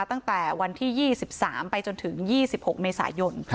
ตั้งแต่วันที่๒๓ไปจนถึง๒๖เมษายน